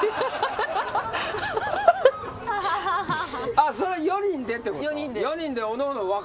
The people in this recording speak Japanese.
あっそれ４人でってこと？